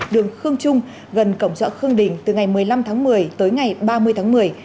đường khương trung gần cổng chợ khương đình từ ngày một mươi năm tháng một mươi tới ngày ba mươi tháng một mươi